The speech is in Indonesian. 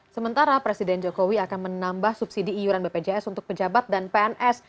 sementara presiden jokowi akan menambah subsidi iuran bpjs untuk pejabat dan pns